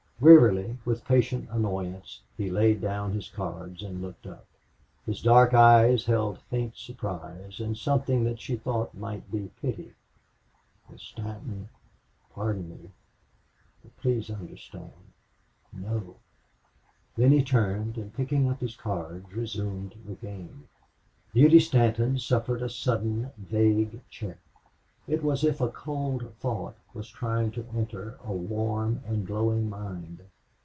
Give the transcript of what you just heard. Wearily, with patient annoyance, he laid down his cards and looked up. His dark eyes held faint surprise and something that she thought might be pity. "Miss Stanton pardon me but please understand No!" Then he turned and, picking up his cards, resumed the game. Beauty Stanton suffered a sudden vague check. It was as if a cold thought was trying to enter a warm and glowing mind.